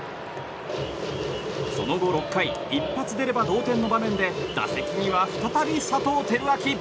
その後、６回一発出れば同点の場面で打席には、再び佐藤輝明。